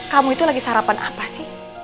kamu itu lagi sarapan apa sih